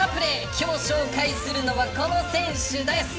今日、紹介するのはこの選手です。